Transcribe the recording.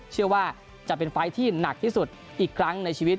เชื่อว่าจะเป็นไฟล์ที่หนักที่สุดอีกครั้งในชีวิต